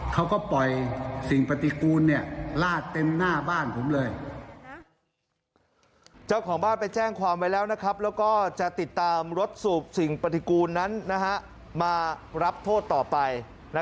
เขาก็ปล่อยสิ่งปฏิกูลลาดเต็มหน้าบ้านผมเลย